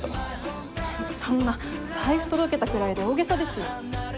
そんな財布届けたくらいで大げさですよ。